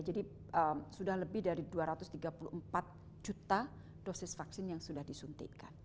jadi sudah lebih dari dua ratus tiga puluh empat juta dosis vaksin yang sudah disuntikan